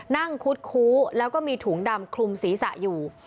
คุดคู้แล้วก็มีถุงดำคลุมศีรษะอยู่